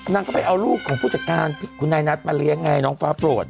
นางก็ไปเอาลูกของผู้จัดการคุณไหนรัฐมาเลี้ยงให้น้องฟ้าปวด